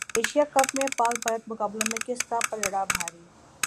Asia cup میں پاک بھارت مقابلوں میں کس کا پلڑا بھاری